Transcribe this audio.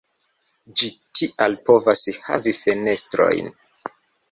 Ĝi tial povas havi fenestrojn.